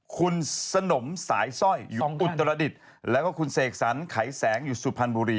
คุณสนมสายสร้อยอยู่อุตรดิษฐ์แล้วก็คุณเสกสรรไขแสงอยู่สุพรรณบุรี